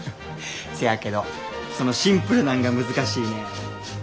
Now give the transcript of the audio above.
せやけどそのシンプルなんが難しいねん。